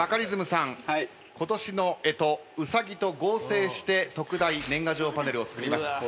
今年の干支うさぎと合成して特大年賀状パネルを作ります。